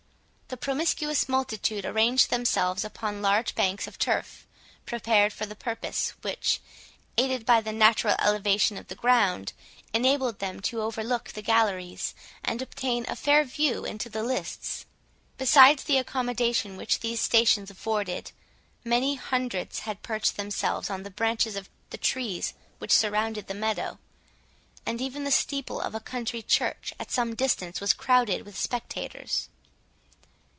The promiscuous multitude arranged themselves upon large banks of turf prepared for the purpose, which, aided by the natural elevation of the ground, enabled them to overlook the galleries, and obtain a fair view into the lists. Besides the accommodation which these stations afforded, many hundreds had perched themselves on the branches of the trees which surrounded the meadow; and even the steeple of a country church, at some distance, was crowded with spectators.